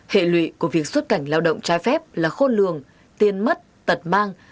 hệ lụy của việc xuất cảnh lao động trái phép là khôn lường tiền mất tật mang